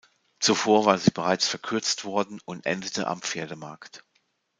Zuvor war sie bereits verkürzt worden und endete am Pferdemarkt.